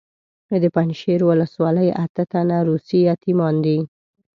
د پنجشیر ولسوالۍ اته تنه روسي یتیمان دي.